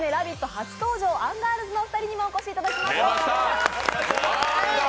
初登場、アンガールズのお二人にもお越しいただきました。